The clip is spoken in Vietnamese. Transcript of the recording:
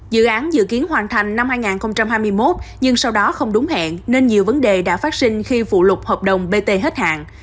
dự án dự kiến hoàn thành năm hai nghìn hai mươi một nhưng sau đó không đúng hẹn nên nhiều vấn đề đã phát sinh khi phụ lục hợp đồng bt hết hạn